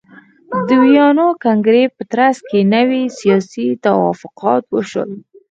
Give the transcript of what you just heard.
د ویانا کنګرې په ترڅ کې نوي سیاسي توافقات وشول.